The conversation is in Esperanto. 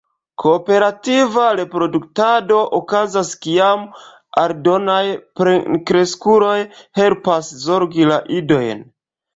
Kooperativa reproduktado okazas kiam aldonaj plenkreskuloj helpas zorgi la idojn.